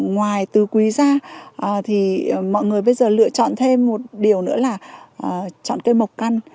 ngoài từ quý ra thì mọi người bây giờ lựa chọn thêm một điều nữa là chọn cây mộc căn